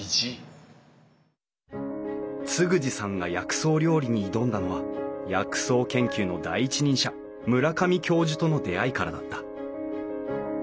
嗣二さんが薬草料理に挑んだのは薬草研究の第一人者村上教授との出会いからだった。